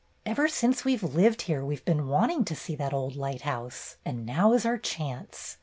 Ever since we 've lived here we 've been wanting to see that old lighthouse, and now is our chance.